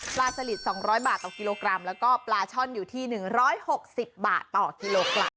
สลิด๒๐๐บาทต่อกิโลกรัมแล้วก็ปลาช่อนอยู่ที่๑๖๐บาทต่อกิโลกรัม